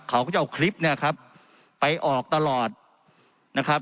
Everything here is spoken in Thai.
เขาก็จะเอาคลิปเนี่ยครับไปออกตลอดนะครับ